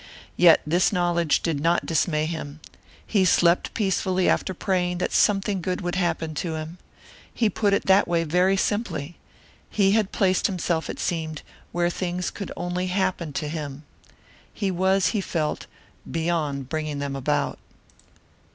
Yet this knowledge did not dismay him. He slept peacefully after praying that something good would happen to him. He put it that way very simply. He had placed himself, it seemed, where things could only happen to him. He was, he felt, beyond bringing them about.